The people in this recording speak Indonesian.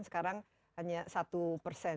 sekarang hanya satu persen